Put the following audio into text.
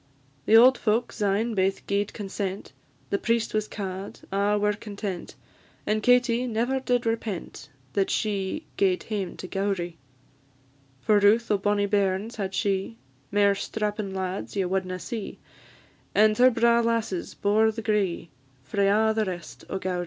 The auld folk syne baith gi'ed consent; The priest was ca'd: a' were content; And Katie never did repent That she gaed hame to Gowrie. For routh o' bonnie bairns had she; Mair strappin' lads ye wadna see; And her braw lasses bore the gree Frae a' the rest o' Gowrie.